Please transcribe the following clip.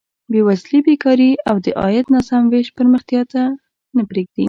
بېوزلي، بېکاري او د عاید ناسم ویش پرمختیا نه پرېږدي.